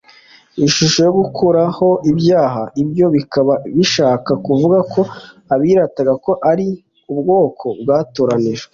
ishusho yo gukuraho ibyaha: ibyo bikaba bishaka kuvuga ko abirataga ko ari ubwoko bwatoranijwe